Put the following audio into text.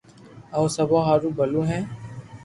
او سبو ھارو ڀلو ھي